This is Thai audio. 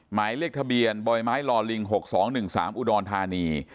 หมายเลขทะเบียนบ่อยไม้ลอลิง๖๒๑๓อุดรธานี